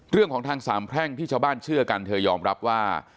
เรื่องของทางสามแพร่งที่ชาวบ้านเชื่อกันเธอยอมรับว่า